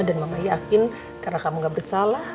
dan mama yakin karena kamu gak bersalah